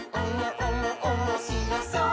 おもしろそう！」